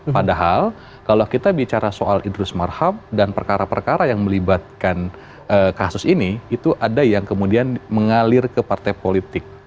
padahal kalau kita bicara soal idrus marham dan perkara perkara yang melibatkan kasus ini itu ada yang kemudian mengalir ke partai politik